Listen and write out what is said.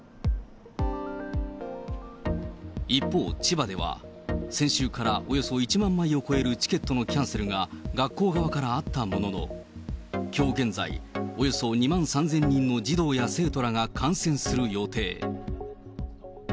一方、千葉では、先週からおよそ１万枚を超えるチケットのキャンセルが学校側からあったものの、きょう現在、およそ２万３０００人の児童や生徒らが観戦する予定。